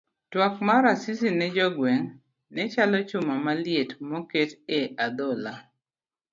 Twak mar Asisi ne jo gweng' ne chalo chuma maliet moket e a dhola.